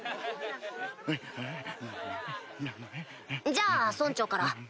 じゃあ村長から。